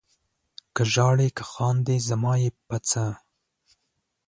که ژاړې که خاندې زما یې په څه؟